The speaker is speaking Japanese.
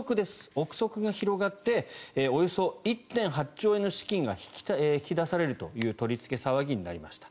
臆測が広がっておよそ１．８兆円の資金が引き出されるという取り付け騒ぎになりました。